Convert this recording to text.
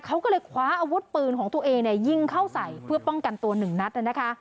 เขาก็เลยคว้าอาวุธปืนของตัวเองเนี่ยยิงเข้าใส่เพื่อป้องกันตัวหนึ่งนัดนะคะ